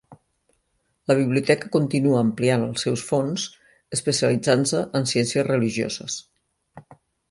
La biblioteca continua ampliant els seus fons, especialitzant-se en ciències religioses.